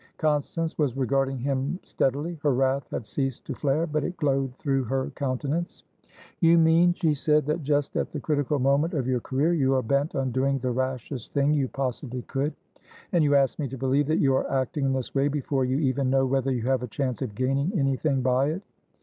Constance was regarding him steadily. Her wrath had ceased to flare, but it glowed through her countenance. "You mean," she said, "that just at the critical moment of your career you are bent on doing the rashest thing you possibly could? And you ask me to believe that you are acting in this way before you even know whether you have a chance of gaining anything by it?"